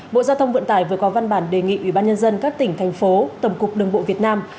bộ giao thông vận tải vừa có văn bản đề nghị ubnd các tỉnh thành phố tầm cục đường bộ việt nam